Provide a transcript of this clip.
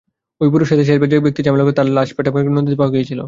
ঐ বুড়োর সাথে শেষবার যে ব্যক্তি ঝামেলা করেছিল তার লাশ পটোম্যাক নদীতে পাওয়া গেছিল।